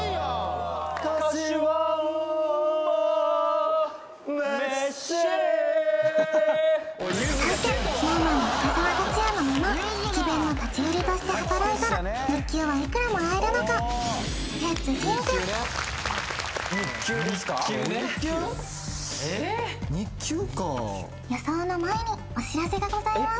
果たしてＳｎｏｗＭａｎの深澤辰哉のまま駅弁の立ち売りとして働いたら日給はいくらもらえるのか日給ですか・ええっ・日給かがございます